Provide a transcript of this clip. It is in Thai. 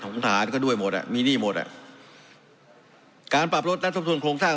มีหนี้หมดอ่ะมีหนี้หมดอ่ะการปรับลดนัดสมทุนโครงสร้าง